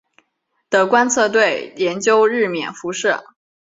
的观测队研究日冕辐射。